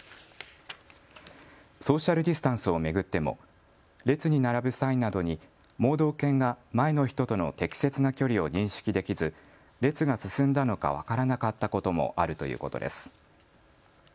ソーシャルディスタンスを巡っても列に並ぶ際などに盲導犬が前の人との適切な距離を認識できず列が進んだのか分からなかったこともあるということです。